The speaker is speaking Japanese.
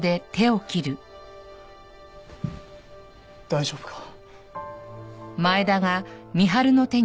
大丈夫か？